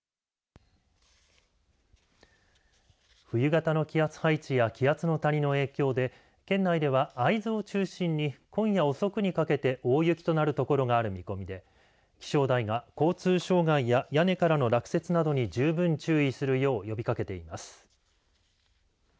冬型の気圧配置や気圧の谷の影響で県内では会津を中心に今夜遅くにかけて大雪となる所がある見込みで気象台は交通障害や屋根からの落雪などに十分注意するよう呼びかけています。